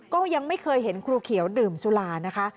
ก็ยังไม่เคยเห็นครูเขียวดื่มสุรานะคะ